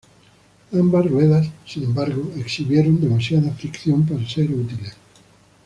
Ambas ruedas, sin embargo, exhibieron demasiada fricción para ser útiles.